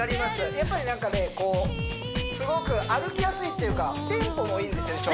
やっぱりなんかねすごく歩きやすいっていうかテンポもいいんですよね